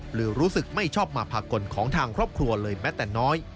หรือรู้สึกไม่ชอบมาภากลของทางครอบครัวเลยแม้แต่น้อย